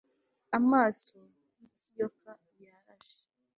Amaso yikiyoka yarashe